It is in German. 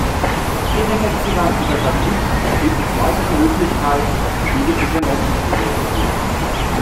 Internetzugang über Satellit gilt als weitere Möglichkeit, das mobile Internet zu realisieren.